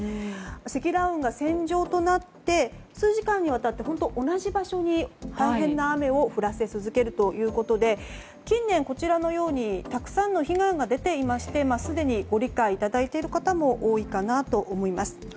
積乱雲が線状になって数時間にわたって同じ場所に大変な雨を降らせ続けるということで近年、こちらのようにたくさんの被害が出ていましてすでにご理解いただいている方も多いかなと思います。